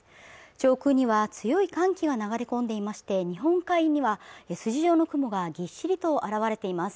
上空には強い寒気が流れ込んでいまして日本海には筋状の雲がぎっしりと現れています